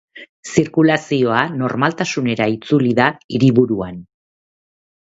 Zirkulazioa normaltasunera itzuli da hiriburuan.